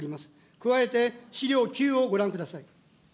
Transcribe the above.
加えて、資料９をご覧ください。